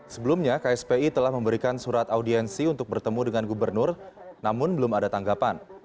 sebelumnya kspi telah memberikan surat audiensi untuk bertemu dengan gubernur namun belum ada tanggapan